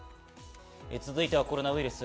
続いてコロナウイルス。